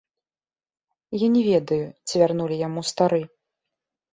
Я не ведаю, ці вярнулі яму стары.